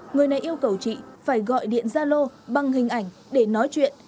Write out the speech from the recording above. người này yêu cầu chị phải gọi điện zalo bằng hình ảnh để nói chuyện